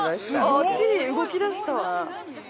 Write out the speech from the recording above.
◆あっちに動き出した。